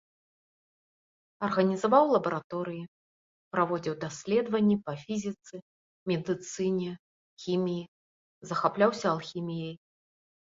Арганізаваў лабараторыі, праводзіў даследаванні па фізіцы, медыцыне, хіміі, захапляўся алхіміяй.